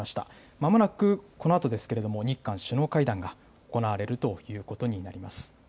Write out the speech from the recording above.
まもなくこのあとですけれども、日韓首脳会談が行われるということになります。